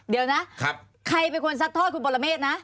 เดี๋ยวนะใครเป็นคนซัดทอดคุณปรเมฆนะ